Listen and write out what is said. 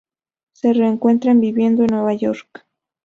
Se reencuentran viviendo en Nueva York.